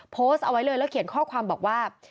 โพสต์เอาไว้เลยแล้วเขียนข้อความบอกว่า